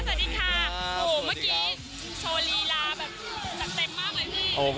สวัสดีค่ะโอ้โหเมื่อกี้โชว์ลีลาแบบสักเต็มมากเหมือนกัน